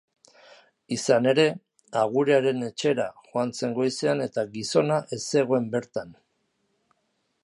Izan ere, agurearen etxera joan zen goizean eta gizona ez zegoen bertan.